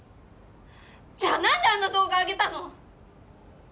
じゃあ何であんな動画上げたの！？